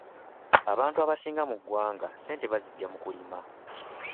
Abantu abasinga mu ggwanga ssente baziggya mu kulima.